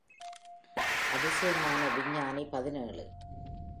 அதிசயமான விஞ்ஞானி பதினேழு .